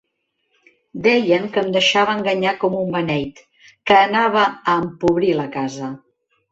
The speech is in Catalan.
Deien que em deixava enganyar com un beneït; que anava a empobrir la casa.